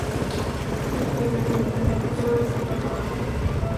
Precursora de la Cruz Roja.